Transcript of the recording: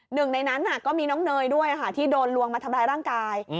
หนึ่งในนั้นก็มีน้องเนยด้วยค่ะที่โดนลวงมาทำร้ายร่างกาย